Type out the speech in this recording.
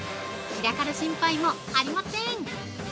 散らかる心配もありません！